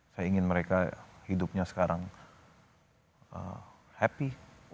saya ingin mereka hidupnya sekarang happy